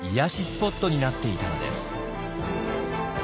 スポットになっていたのです。